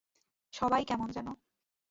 সবাই কেমন যেন।